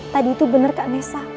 tadi itu bener kak nessa